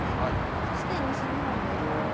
そして西日本です。